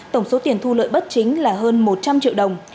tổng số tiền thu lợi bất chính là hơn một trăm linh triệu đồng